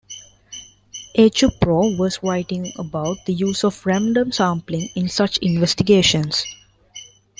A. Chuprov was writing about the use of random sampling in such investigations.